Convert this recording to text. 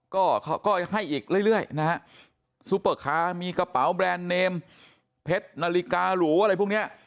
ก็เขาก็ให้อีกเรื่อยนะฮะซุปเปอร์คาร์มีกระเป๋าแบรนด์เนมเพชรนาฬิการูอะไรพวกเนี้ย